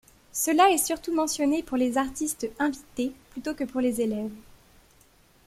Cela est surtout mentionné pour les artistes invités plutôt que pour les élèves.